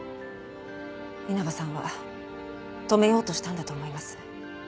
稲葉さんは止めようとしたんだと思います。